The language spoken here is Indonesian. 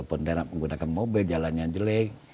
pendana menggunakan mobil jalannya jelek